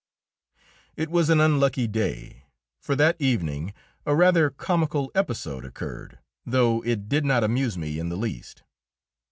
It was an unlucky day, for that evening a rather comical episode occurred, though it did not amuse me in the least.